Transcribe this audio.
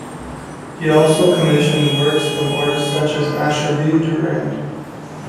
He also commissioned works from artists such as Asher B. Durand.